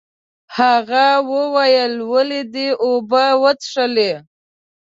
هغه وایي، ولې دې اوبه وڅښلې؟